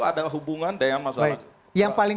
ada hubungan dengan masyarakat yang paling